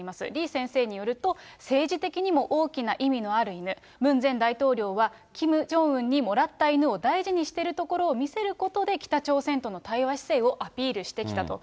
李先生によると、政治的にも大きな意味のある犬、ムン前大統領はキム・ジョンウンにもらった犬を大事にしているところを見せることで、北朝鮮との対話姿勢をアピールしてきたと。